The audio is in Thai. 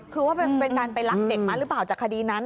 คือว่าเป็นการไปรักเด็กมาหรือเปล่าจากคดีนั้น